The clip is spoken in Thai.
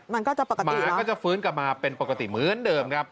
มันก็จะปกติแล้วก็จะฟื้นกลับมาเป็นปกติเหมือนเดิมครับ